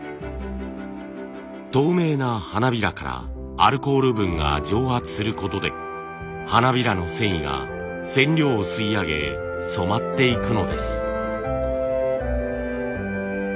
透明な花びらからアルコール分が蒸発することで花びらの繊維が染料を吸い上げ染まっていくのです。